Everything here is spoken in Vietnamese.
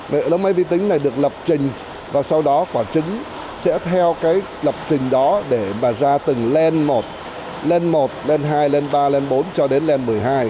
máy vi tính này được lập trình và sau đó quả trứng sẽ theo cái lập trình đó để mà ra từng len một len một len hai len ba len bốn cho đến len một mươi hai